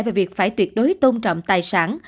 về việc phải tuyệt đối tôn trọng tài sản